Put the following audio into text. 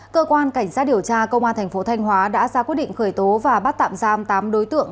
cơ quan cảnh sát điều tra công an thành phố thanh hóa đã ra quyết định khởi tố và bắt tạm giam tám đối tượng